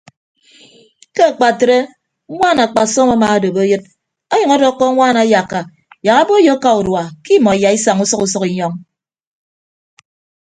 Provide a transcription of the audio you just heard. Ke akpatre ñwaan akpasọm amaadop eyịd ọnyʌñ ọdọkkọ ñwaan ayakka yak aboiyo aka urua ke imọ iyaisaña usʌk usʌk inyọñ.